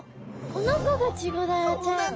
この子がチゴダラちゃん。